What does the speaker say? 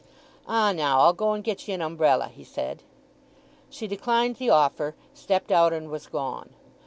"Ah—now I'll go and get ye an umbrella," he said. She declined the offer, stepped out and was gone.